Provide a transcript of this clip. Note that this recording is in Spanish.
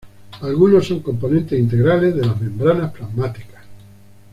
Algunos son componentes integrales de las membranas plasmáticas.